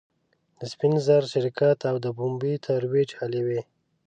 د سپین زر شرکت او د پومبې ترویج هلې وې.